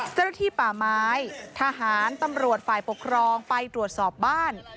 เจ้าหน้าที่ป่าไม้ทหารตำรวจฝ่ายปกครองไปตรวจสอบบ้าน